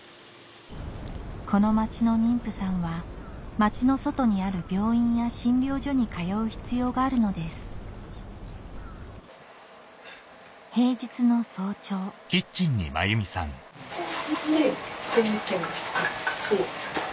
この町の妊婦さんは町の外にある病院や診療所に通う必要があるのです平日の早朝うん。